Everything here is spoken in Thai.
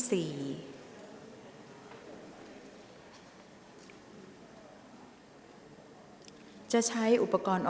ออกรางวัลเลขหน้า๓ตัวครั้งที่๒